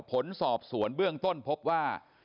ผลสอบสวนเบื้องต้นพบว่า